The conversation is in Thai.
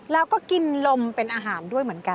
แล้วก็กินลมเป็นอาหารด้วยเหมือนกัน